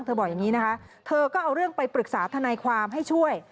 บอกอย่างนี้นะคะเธอก็เอาเรื่องไปปรึกษาทนายความให้ช่วย